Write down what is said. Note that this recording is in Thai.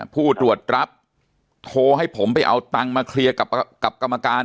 ผู้ตรวจรับโทรให้ผมไปเอาตังค์มาเคลียร์กับกรรมการ